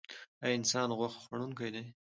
ایا انسان غوښه خوړونکی دی؟